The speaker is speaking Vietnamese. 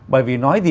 bởi vì nói gì